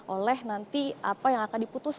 oleh nanti apa yang akan diputus